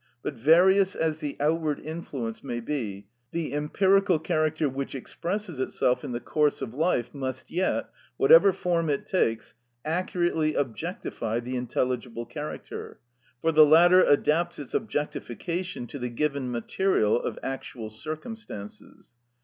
But various as the outward influence may be, the empirical character which expresses itself in the course of life must yet, whatever form it takes, accurately objectify the intelligible character, for the latter adapts its objectification to the given material of actual circumstances.